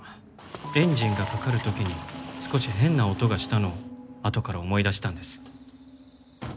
エンジンがかかる時に少し変な音がしたのをあとから思い出したんです。